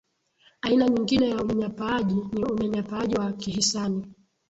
aina nyingine ya unyanyapaaji ni unyanyapaaji wa kihisani